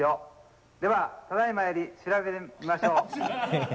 ではただ今より調べてみましょう。